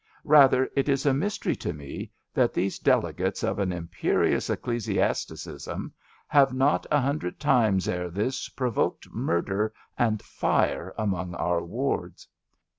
Bather it is a mystery to me that these delegates of an imperious CHAUTAUQUAED 181 ecclesiasticism have not a hundred times ere this provoked murder and fire among our wards.